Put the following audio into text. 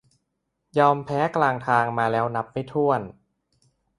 ยอมแพ้กลางทางมาแล้วนับไม่ถ้วน